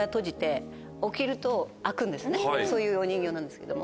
そういうお人形なんですけども。